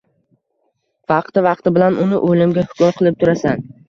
Vaqti-vaqti bilan uni o‘limga hukm qilib turasan.